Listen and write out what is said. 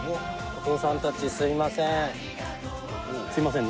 お父さんたちすみません。